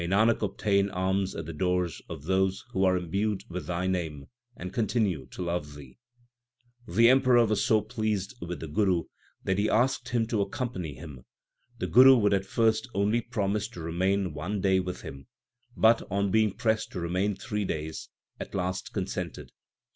May Nanak obtain alms at the doors Of those who are imbued with Thy name and continue to love Thee ! 2 The Emperor was so pleased with the Guru that he asked him to accompany him. The Guru would at first only promise to remain one day with him, but, on being pressed to remain three days, at last consented.